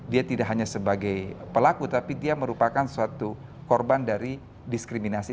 dia tidak hanya sebagai pelaku tapi dia merupakan suatu korban dari diskriminasi